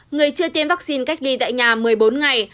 người chưa tiêm vaccine cách ly tại nhà một mươi bốn ngày